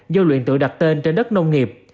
do luyện tự đặt tên trên đất nông nghiệp